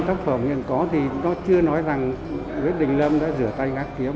tác phẩm hiện có thì nó chưa nói rằng nguyễn đình lâm đã rửa tay gác kiếm